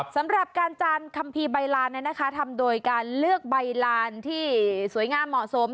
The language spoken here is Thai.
สำหรับการจานคัมภีร์ใบลานทำโดยการเลือกใบลานที่สวยงามเหมาะสม